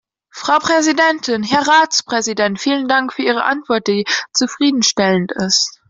Frau Präsidentin, Herr Ratspräsident! Vielen Dank für Ihre Antwort, die zufriedenstellend ist.